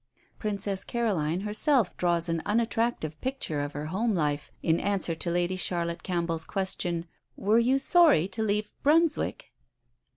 Princess Caroline herself draws an unattractive picture of her home life, in answer to Lady Charlotte Campbell's question, "Were you sorry to leave Brunswick?"